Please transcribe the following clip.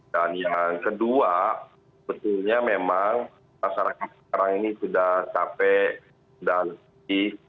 dan yang kedua betulnya memang masyarakat sekarang ini sudah capek dan sedih